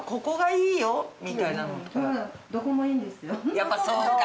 やっぱそうか。